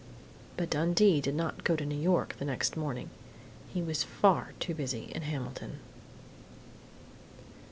But Dundee did not go to New York the next morning. He was far too busy in Hamilton....